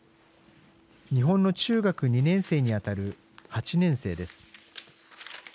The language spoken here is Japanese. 日本の中学２年生にあたる８年生です。